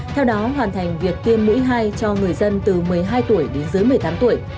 theo đó hoàn thành việc tiêm mũi hai cho người dân từ một mươi hai tuổi đến dưới một mươi tám tuổi